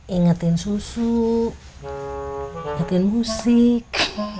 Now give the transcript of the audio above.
ingetin susu ngerti musik